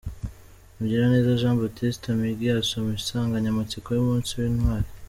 Mugiraneza Jean Baptiste Miggy asoma insanganyamatsiko y'umunsi w'Intwali.